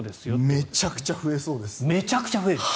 めちゃくちゃ増えそうです。